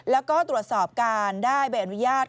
แล้วก็ตรวจสอบการได้ใบอนุญาต